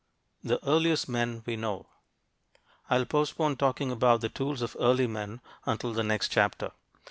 THE EARLIEST MEN WE KNOW I'll postpone talking about the tools of early men until the next chapter.